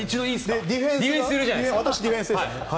私、ディフェンスですか？